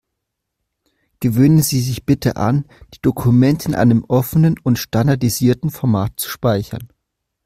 Gewöhnen Sie sich bitte an, die Dokumente in einem offenen und standardisierten Format zu speichern.